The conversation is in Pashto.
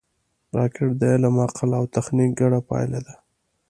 راکټ د علم، عقل او تخنیک ګډه پایله ده